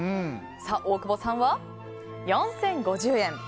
大久保さんは４０５０円。